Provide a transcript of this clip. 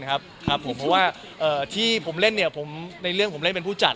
เพราะว่าที่ผมเล่นในเรื่องผมเล่นเป็นผู้จัด